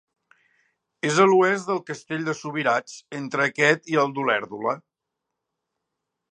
És a l'oest del castell de Subirats, entre aquest i el d'Olèrdola.